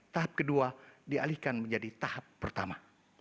tahap kedua dialihkan menjadi tahap pertama